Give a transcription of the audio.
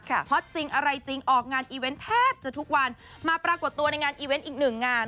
ฮอตจริงอะไรจริงออกงานอีเวนต์แทบจะทุกวันมาปรากฏตัวในงานอีเวนต์อีกหนึ่งงาน